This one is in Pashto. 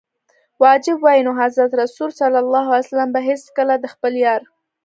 واجب وای نو حضرت رسول ص به هیڅکله د خپل یار.